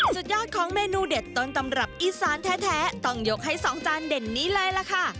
สุดยอดของเมนูเด็ดต้นตำรับอีสานแท้ต้องยกให้สองจานเด่นนี้เลยล่ะค่ะ